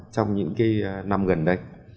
trong những cái năm gần đây